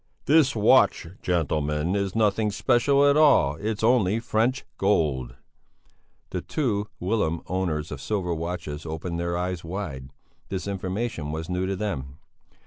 "This watch, gentlemen, is nothing special at all. It's only French gold." The two whilom owners of silver watches opened their eyes wide. This information was new to them.